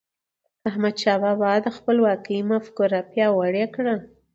احمدشاه بابا د خپلواکی مفکوره پیاوړې کړه.